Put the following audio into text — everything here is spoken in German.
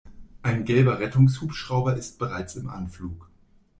Ein gelber Rettungshubschrauber ist bereits im Anflug.